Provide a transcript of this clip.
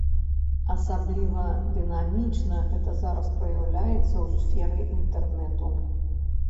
Асабліва дынамічна гэта зараз праяўляецца ў сферы інтэрнэту.